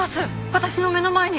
私の目の前に！